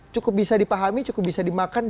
cukup bisa dipahami cukup bisa dimakan